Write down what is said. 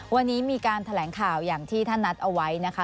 วันนี้มีการแถลงข่าวอย่างที่ท่านนัดเอาไว้นะคะ